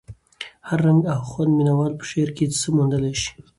هر رنګ او خوند مینه وال په شعر کې څه موندلی شي.